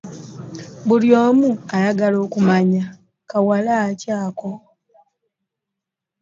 Buli omu yayagala okumanya kawala ki ako?